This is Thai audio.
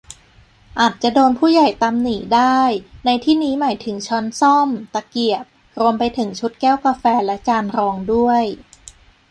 อาจจะโดนผู้ใหญ่ตำหนิได้ ในที่นี้หมายถึงช้อนส้อม ตะเกียบ รวมไปถึงชุดแก้วกาแฟและจานรองด้วย